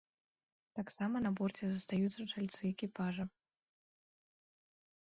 Таксама на борце застаюцца чальцы экіпажа.